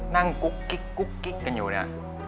นั่งกุ๊กกันอยู่เนี่ย